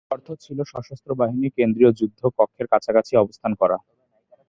এর অর্থ ছিল সশস্ত্র বাহিনীর কেন্দ্রীয় যুদ্ধ কক্ষের কাছাকাছি অবস্থান করা।